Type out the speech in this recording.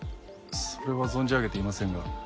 それは存じ上げていませんが。